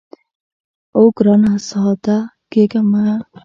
اوو ګرانه ساده کېږه مه.